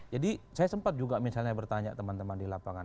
jadi saya sempat juga misalnya bertanya teman teman di lapangan